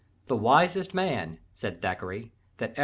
"The wisest man," said Thackeray, "that ever I knew."